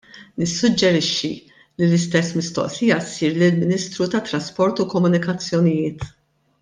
Nissuġġerixxi li l-istess mistoqsija ssir lill-Ministru tat-Trasport u Komunikazzjonijiet.